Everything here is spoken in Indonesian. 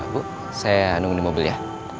bu saya nunggu di mobil ya